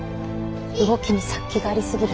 動きに殺気がありすぎる。